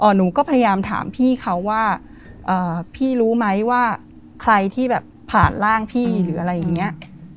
หนูก็พยายามถามพี่เขาว่าพี่รู้ไหมว่าใครที่แบบผ่านร่างพี่หรืออะไรอย่างนี้